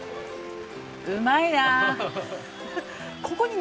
うまいな。